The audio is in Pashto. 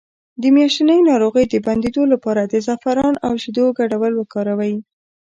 د میاشتنۍ ناروغۍ د بندیدو لپاره د زعفران او شیدو ګډول وکاروئ